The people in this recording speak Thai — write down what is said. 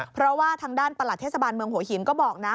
เพราะว่าทางด้านประหลัดเทศบาลเมืองหัวหินก็บอกนะ